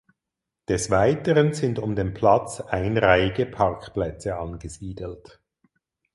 Des Weiteren sind um den Platz einreihige Parkplätze angesiedelt.